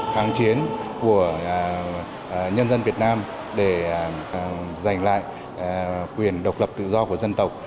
kháng chiến của nhân dân việt nam để giành lại quyền độc lập tự do của dân tộc